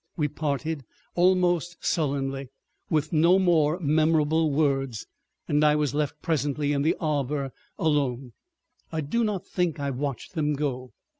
We parted almost sullenly, with no more memorable words, and I was left presently in the arbor alone. I do not think I watched them go.